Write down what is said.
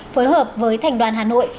phối hợp với thành đoàn hà nội